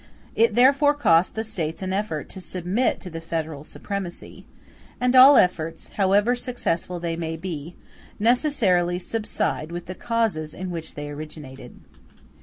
It therefore cost the States an effort to submit to the federal supremacy; and all efforts, however successful they may be, necessarily subside with the causes in which they originated.